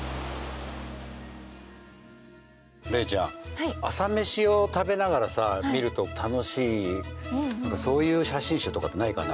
玲ちゃん朝メシを食べながらさ見ると楽しいそういう写真集とかってないかな？